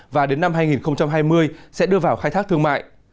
và đến năm hai nghìn hai mươi sẽ đưa vào khai thác thương mại